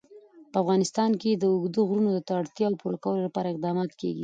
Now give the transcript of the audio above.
په افغانستان کې د اوږده غرونه د اړتیاوو پوره کولو لپاره اقدامات کېږي.